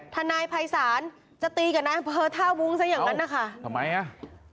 ทนายภัยศาลจะตีกับน้ำเภอท่าวุงซักอย่างนั้นนะคะเอ้าทำไมฮะ